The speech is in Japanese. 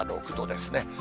今６度ですね。